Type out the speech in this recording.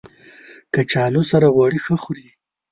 کچالو سره غوړي ښه خوري